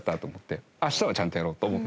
「明日はちゃんとやろう」と思って。